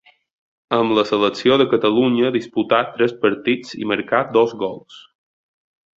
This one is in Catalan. Amb la selecció de Catalunya disputà tres partits i marcà dos gols.